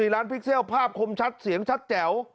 ร้านพิกเซลภาพคมชัดเสียงชัดแจ๋ว